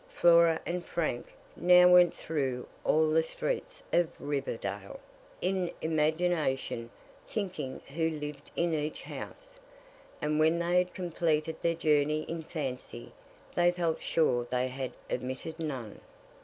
Flora and Frank now went through all the streets of Riverdale, in imagination, thinking who lived in each house; and when they had completed their journey in fancy, they felt sure they had omitted none.